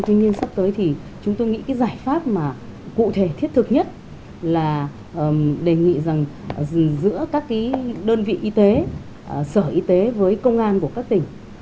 tuy nhiên sắp tới thì chúng tôi nghĩ cái giải pháp mà cụ thể thiết thực nhất là đề nghị rằng giữa các cái đơn vị y tế sở y tế với công an của các tỉnh